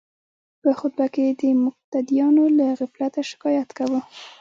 په خطبه کې د مقتدیانو له غفلته شکایت کاوه.